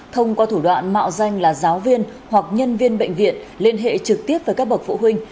thông qua thủ đoạn mạo danh là giáo viên hoặc nhân viên bệnh viện liên hệ trực tiếp với các bậc phụ huynh